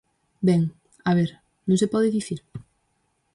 Ben, a ver, ¿non se pode dicir?